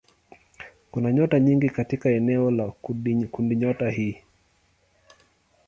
Kuna nyota nyingi katika eneo la kundinyota hii.